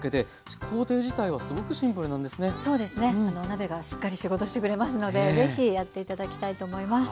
鍋がしっかり仕事してくれますのでぜひやって頂きたいと思います。